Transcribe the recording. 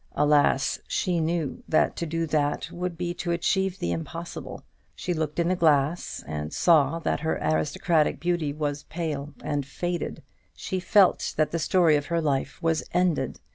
Alas! she knew that to do that would be to achieve the impossible. She looked in the glass, and saw that her aristocratic beauty was pale and faded; she felt that the story of her life was ended.